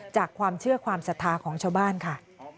จากความเชื่อความศรัทธาของชาวบ้านค่ะ